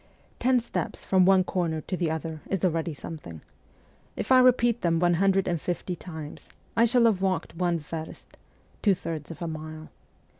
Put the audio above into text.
Ten steps from one corner to the other is already some thing. If I repeat them one hundred and fifty times, I shall have walked one verst ' (two thirds of a mile).